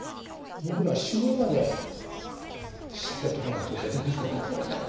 僕らは死ぬまでしゃべっとかないといけないでしょ。